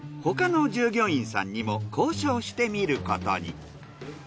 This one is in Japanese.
他の従業員さんにも交渉してみることに。